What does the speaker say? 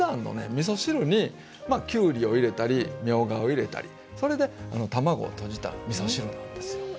みそ汁にきゅうりを入れたりみょうがを入れたりそれで卵をとじたらみそ汁なんですよ。